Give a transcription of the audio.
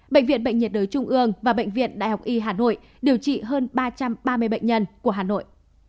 bệnh viện bệnh nhiệt đới trung ương và bệnh viện đại học y hà nội điều trị hơn ba trăm ba mươi bệnh nhân của hà nội